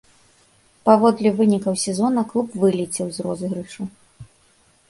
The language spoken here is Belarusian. Паводле вынікаў сезона клуб вылецеў з розыгрышу.